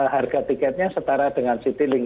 harga tiketnya setara dengan citilink